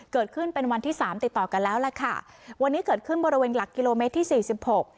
เกิดขึ้นเป็นวันที่สามติดต่อกันแล้วล่ะค่ะวันนี้เกิดขึ้นบริเวณหลักกิโลเมตรที่สี่สิบหก